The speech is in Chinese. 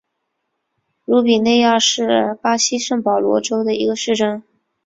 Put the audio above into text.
鲁比内亚是巴西圣保罗州的一个市镇。